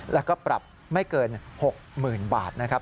แล้วก็ปรับไม่เกิน๖๐๐๐บาทนะครับ